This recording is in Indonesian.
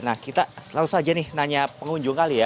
nah kita langsung saja nih nanya pengunjung kali ya